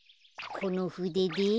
このふでで。